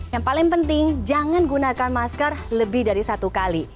yang paling penting jangan gunakan masker lebih dari satu kali